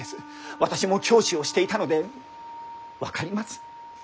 私も教師をしていたので分かります。